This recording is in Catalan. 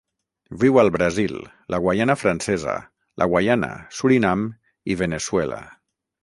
Viu al Brasil, la Guaiana Francesa, la Guaiana, Surinam i Veneçuela.